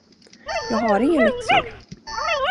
Jag har inga läxor!